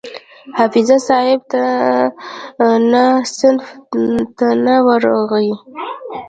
حافظ صاحب نه صنف ته نه وو راغلى.